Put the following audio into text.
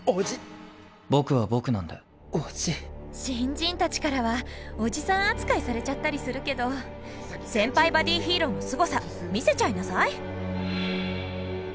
新人たちからはおじさん扱いされちゃったりするけど先輩バディヒーローのすごさ見せちゃいなさい！